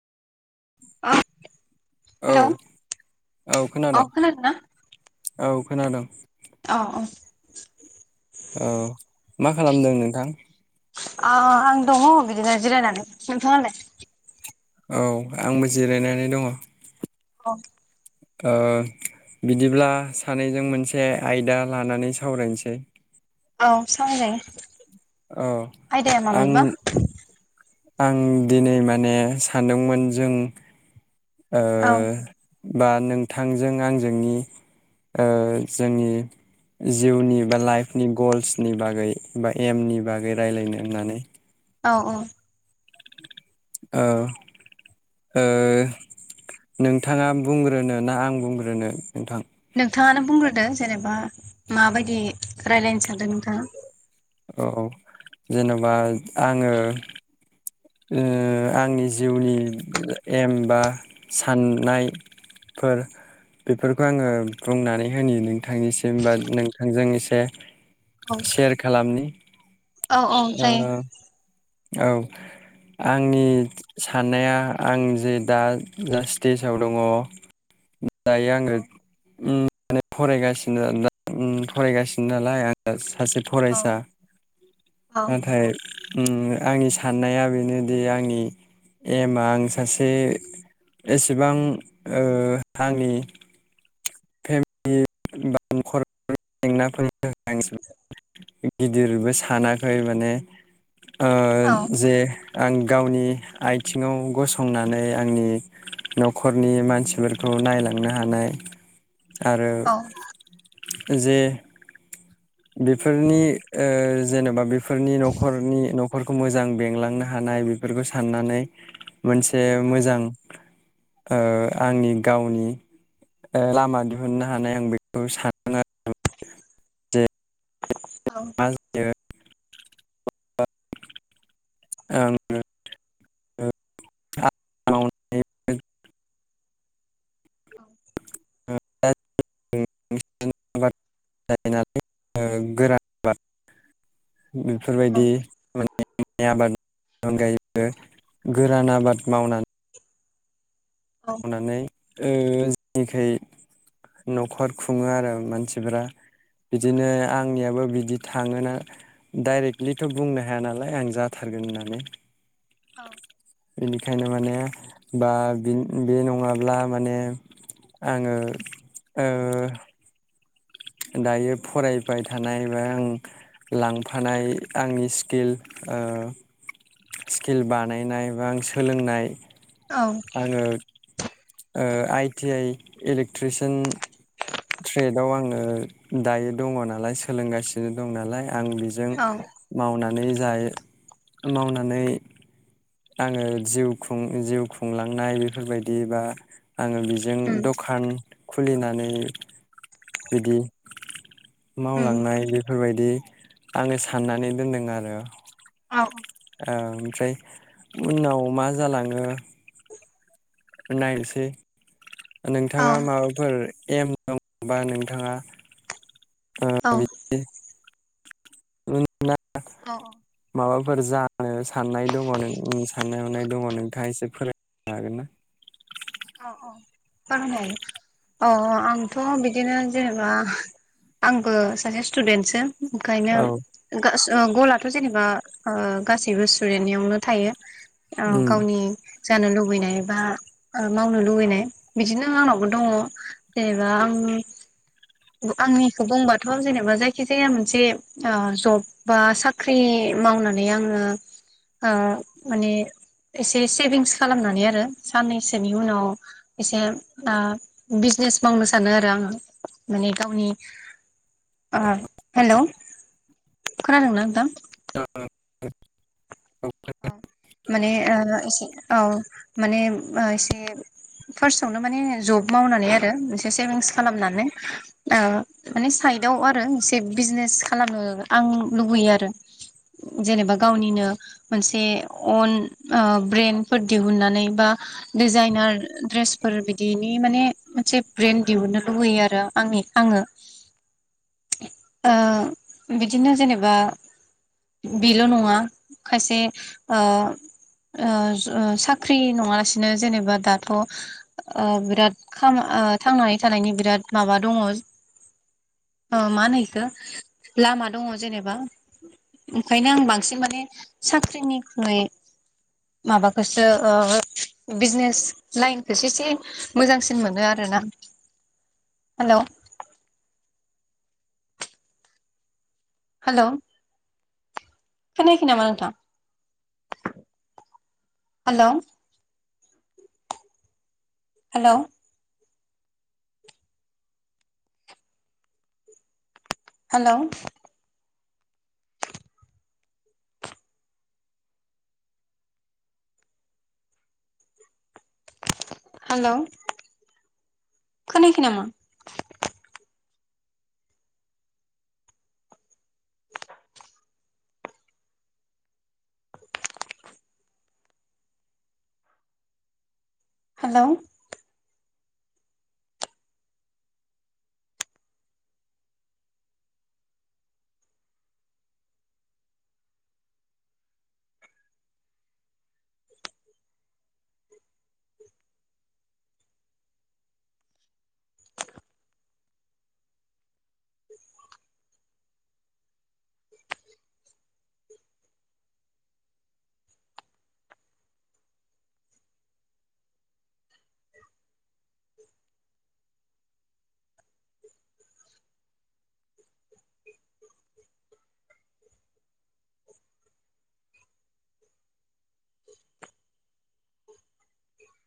औ हेलौ औ खोनादों। औ खोनादों। अ अ औ मा खालामदों नोंथां? अ आं दङ बिदिनो जिरायनानै नोंथाङालाय? औ आंबो जिरायनानै दङ। औ ओ बिदिब्ला सानैजों मोनसे आयदा लानानै सावरायनोसै। औ सावरायजायो औ आयदाया आं मामोनबा? आं दिनै माने सानदोंमोन जों ओ औ बा नोंथांजों आंजोंनि ओ जोंनि जिउनि बा लाइफनि गल्सनि बागै बा एमनि बागै रायजलायनो होननानै। औ औ औ ओ नोंथाङा बुंग्रोनो ना आं बुंग्रोनो नोंथां? नोंथाङानो बुंग्रोदो जेनेबा माबायदि राय्लायनो सानदों नोंथाङा। औ जेन'बा आङो ओ आंनि जिउनि एम बा साननाय फोर बेफोरखौ आङो औ बुंनानै होनि नोंथांनिसिम बा नोंथांजों एसे औ सेयार खालामनि औ औ ओ जायो। औ आंनि साननाया आं जे दा जा स्टेजाव दङ [inaudible] दायो औ आङो उम माने फरायगासिनो उ फरायगासिनो नालाय आं सासे औ फरायसा औ नाथाय आंनि साननाया बेनोदि आंनि एमआ आं सासे एसेबां आंनि फेमिलि बा नखर जेंनाफोरनि [unintelligible] गिदिरबो सानाखै माने ओ औ जे आं गावनि आथिङाव गसंनानै आंनि न'खरनि मानसिफोरखौ नायलांनो हानाय औ आरोे जे बेफोरनि ओ जेनेबा बेफोरनि न'खरनि न खरखौ मोजां बेंलांनो हानाय बेफोरखौ साननानै मोनसे मोजां ओ आंनि गावनि लामा दिहुननो हानाय आं बेखौ सानदों आ औ मा जायो आङो [unintelligible] औ ओ दा जों सिजोन आबाद गायो नालाय ओ गोरान आबाद बेफोरबायदि [inaudible] आबादनि अनगायैबो गोरान आबाद मावनानै मावनानै ओ जोंनिखै न'खर खुङो आरो मानसिफोरा बिदिनो आंनियाबो बिदि थाङोना डाइरेक्टलिथ' बुंनो हाया नालाय आं जाथार गोन होननानै। औ बेनिखायनो माने बा बि बे नङाब्ला माने आङो ओ दायो फरायबाय थानाय बा आं लांफानाय आंनि स्किल ओ स्किल बानायनाय बा आं सोलोंनाय औ आङो आइ टि आइ इलेक्ट्रिसियान ट्रेदाव आङो दायो दङ नालाय सोलोंगासिनो दं नालाय आं बेजों औ मावनानै जायो मावनानै आङो जिउ खुं जिउ खुंलांनाय बेफोरबायदि बा आङो बिजों उम दखान खुलिनानै बिदि उम मावलांनाय बेफोरबायदि आङो साननानै दोनदों आरो औ ओ ओमफ्राय उनाव मा जालाङो नायनोसै औ नोंथाङा माबाफोर एम दङबा नोंथाङा ओ औ बिदि औ माबा फोर जानो साननाय दङ नों साननाय हनाय दङ नोंथाङ एसे फोर जागोना औ औ फोर हायो औ आंथ' बिदिनो जेनेबा आंबो सासे स्टुदेन्टसो ओंखायनो औ गा गलाथ' जेनेबा गासैबो स्टुन्देटनियावनो थायो ओ उम गावनि जानो लुबैनाय बा ओ मावनो लुुबैनाय बिदिनो आंनावबो दङ जेनेबा आं आंनिखौ बुंबाथ' जेनेबा जायखि जाया मोनसे जब बा साख्रि मावनानै आङो ओ माने एसे सेभिंस खालामनानै आरो साननै साननैसोनि उनाव एसे ओ बिजनेस मावनो सानो आरो आङो माने गावनि ओ हेल' खोनादों ना नोंथां औ औ माने एसे औ माने एसे फार्स्टआवनो माने जब मावनानै आरो मोनसे सेभिंस खालामनानै ओ माने साइ सायदाव आरो एसे बिजनेस खालामनो आं लुबैयो आरो जेनेबा गावनिनो मोनसे अन ब्रेन्डफोर दिहुनन्नानै बा डिजाइनार दड्रेस फोर बिदिनि माने मोनसे ब्रेेन दिहुननो लुुबैयो आरो आंनि आङो ओ बिदिनो जेनेबा बेल' नङा खायसे ओ साख्रि नङालासिनो जेनेबा दाथ' ओ बिराद खाम ओ थांनानै थानायनि बिराद माबा दङ ओ मा होनो इखो लामा दङ जेनेबा ओंखायनो आं बांसिन माने साख्रिनिख्रुइ माबाखौसो ओ बिजनेस लाइनखौसो एसे मोजांसिन मोनो आरोना हेल' हेल' खोनायाखै नामा मानथा हेल' हेल' हेल' हेल' खोनायख नामा हेल'